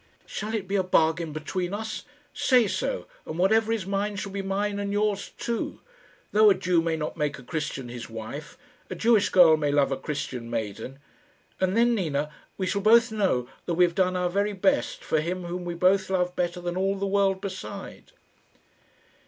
"Shall it be a bargain between us? Say so, and whatever is mine shall be mine and yours too. Though a Jew may not make a Christian his wife, a Jewish girl may love a Christian maiden; and then, Nina, we shall both know that we have done our very best for him whom we both love better than all the world beside."